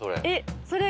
それ。